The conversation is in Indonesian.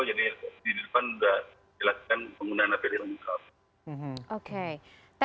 jadi di depan udah dilakukan penggunaan apd lengkap